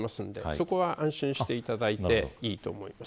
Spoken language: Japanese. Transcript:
そこは安心していただいていいと思います。